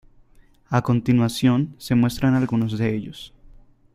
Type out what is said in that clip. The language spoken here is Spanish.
A continuación se muestran algunos de ellos.